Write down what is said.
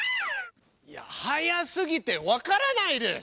いや速すぎてわからないです。